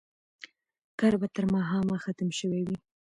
کار به تر ماښامه ختم شوی وي.